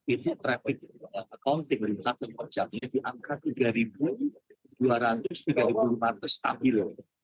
itu traffic accounting satu per jamnya di angka tiga dua ratus tiga lima ratus stabil